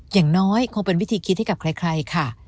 อย่างน้อยคงเป็นวิธีคิดให้กับใครค่ะ